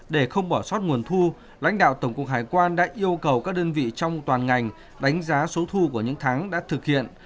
để không bỏ sót nguồn thu lãnh đạo tổng cục hải quan đã yêu cầu các đơn vị trong toàn ngành đánh giá số thu của những tháng đã thực hiện